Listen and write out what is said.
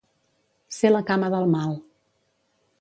Ser la cama del mal.